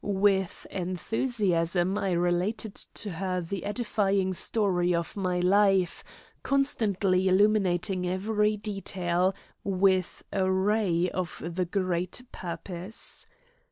With enthusiasm I related to her the edifying story of my life, constantly illuminating every detail with a ray of the Great Purpose.